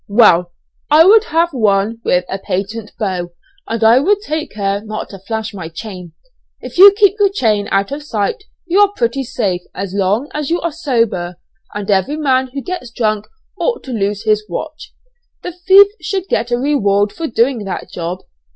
"Well, I would have one with a patent bow, and I would take care not to flash my chain. If you keep your chain out of sight you are pretty safe as long as you are sober, and every man who gets drunk ought to lose his watch; the thief should get a reward for doing that job.